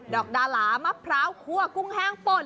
อกดาหลามะพร้าวคั่วกุ้งแห้งป่น